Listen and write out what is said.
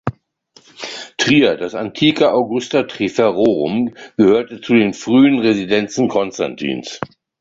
Trier, das antike Augusta Treverorum, gehörte zu den frühen Residenzen Konstantins.